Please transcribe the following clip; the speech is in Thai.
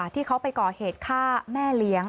ที่เขาไปก่อเหตุฆ่าแม่เลี้ยง